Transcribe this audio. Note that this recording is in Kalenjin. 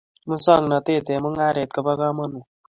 Musong'natet eng mung'aret ko bo kamanut